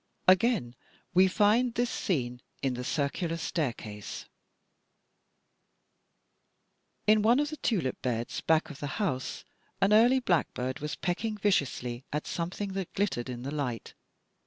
Again, we find this scene in "The Circular Stair case": In one of the tulip beds back of the house an early blackbird was pecking viciously at something that glittered in the light.